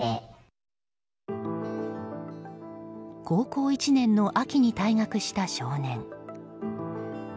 高校１年の秋に退学した少年。